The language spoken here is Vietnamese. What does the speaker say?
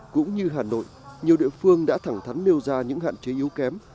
cũng như hà nội nhiều địa phương đã thẳng thắn nêu ra những hạn chế yếu kém